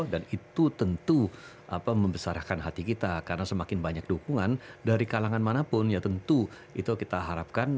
dan itu tentu membesarkan hati kita karena semakin banyak dukungan dari kalangan manapun ya tentu itu kita harapkan